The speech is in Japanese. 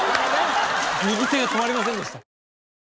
右手が止まりませんでした。